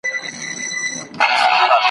داسي ورځ به راسي چي رویبار به درغلی وي !.